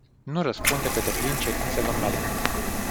Nu răspunde pe deplin cerințelor mele.